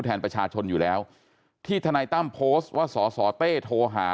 แทนประชาชนอยู่แล้วที่ทนายตั้มโพสต์ว่าสสเต้โทรหา